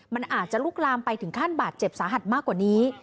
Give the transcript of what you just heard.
มันอาจจะลุกลามไปถึงขั้นบาดเจ็บสาหัสมากกว่านี้